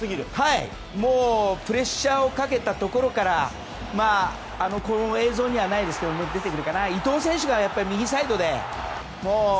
もうプレッシャーをかけたところからこの映像にはないですけど伊東選手が右サイドで。